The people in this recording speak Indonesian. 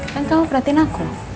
kan kamu perhatiin aku